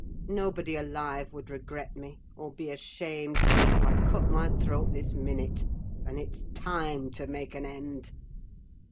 Nobody alive would regret me, or be ashamed, though I cut my throat this minute—and it's time to make an end!